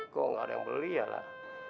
kok gak ada yang beli ya lah